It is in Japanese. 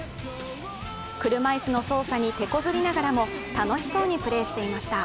車いすの操作にてこずりながらも楽しそうにプレーしていました。